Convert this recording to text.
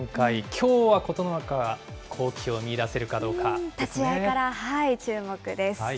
きょうは琴ノ若は好機を見いだせ立ち合いから注目です。